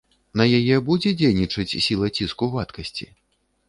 На яе будзе дзейнічаць сіла ціску вадкасці?